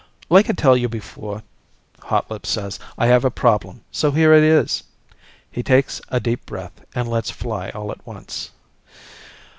"Like I tell you before," Hotlips says, "I have a problem. So here it is." He takes a deep breath and lets fly all at once.